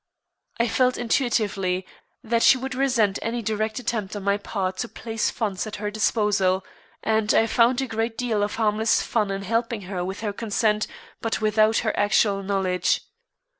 I felt intuitively that she would resent any direct attempt on my part to place funds at her disposal, and I found a great deal of harmless fun in helping her with her consent, but without her actual knowledge.